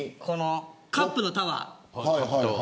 カップのタワー